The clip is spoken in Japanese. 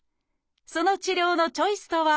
その治療のチョイスとは？